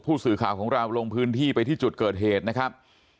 ผู้สื่อข่าวของเราลงพื้นที่ไปที่จุดเกิดเหตุนะครับ